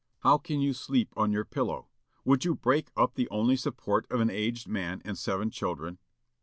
How can you sleep on your pillow? Would you break up the only support of an aged man and seven children?"